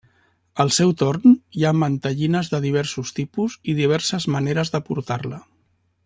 Al seu torn, hi ha mantellines de diversos tipus i diverses maneres de portar-la.